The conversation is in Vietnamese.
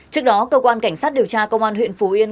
trước đó cơ quan cảnh sát điều tra công an huyện phú yên